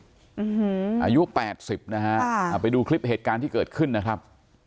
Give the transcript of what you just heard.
อูหืออายุแปดสิบนะฮะเอาไปดูคลิปเหตุการณ์ที่เกิดขึ้นนะครับ